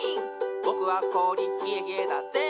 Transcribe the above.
ぼくはこおりひえひえだっぜ」